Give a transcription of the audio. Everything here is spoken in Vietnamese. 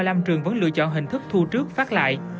năm trường vẫn lựa chọn hình thức thu trước phát lại